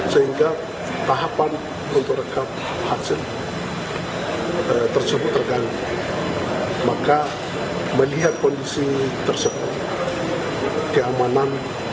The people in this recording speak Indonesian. sehingga tahapan untuk rekap hasil tersebut terganggu maka melihat kondisi tersebut keamanan